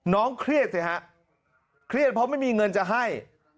เครียดสิฮะเครียดเพราะไม่มีเงินจะให้